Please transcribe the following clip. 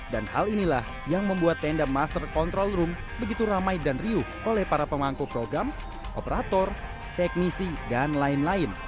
dan hal inilah yang membuat tenda master control room begitu ramai dan riuh oleh para pemangku program operator teknisi dan lain lain